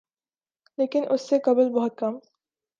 لیکن اس سے قبل بہت کم